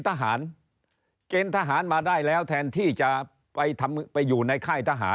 แต่ว่าย้ำอีกทีหนึ่งว่า